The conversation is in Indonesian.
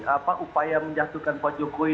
apa upaya menjatuhkan pak jokowi